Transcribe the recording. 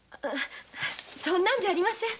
そんなんじゃありません！